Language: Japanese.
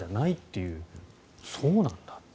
そうなんだと。